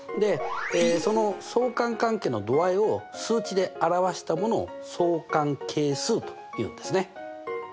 その相関関係の度合いを数値で表したものを相関係数というんですね。